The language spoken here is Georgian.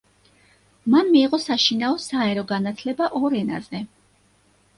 მან მიიღო საშინაო საერო განათლება ორ ენაზე.